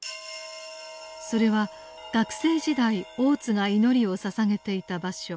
それは学生時代大津が祈りを捧げていた場所